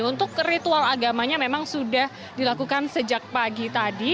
untuk ritual agamanya memang sudah dilakukan sejak pagi tadi